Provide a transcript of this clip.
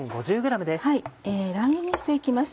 乱切りにしていきます。